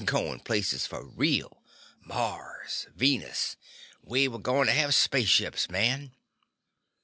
Going places for real. Mars. Venus. We were going to have spaceships, man."